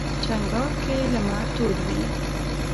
چنګاښ کې لمر تود وي.